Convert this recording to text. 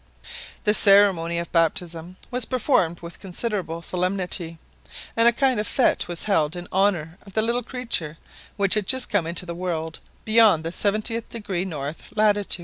The ceremony of baptism was performed with considerable solemnity, and a kind of fête was held in honour of the little creature which had just come into the world beyond the 70th degree N. Lat.